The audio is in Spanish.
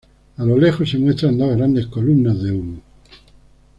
A lo lejos se muestra dos grandes columnas de humo.